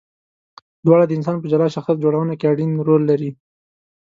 دواړه د انسان په جلا شخصیت جوړونه کې اړین رول لري.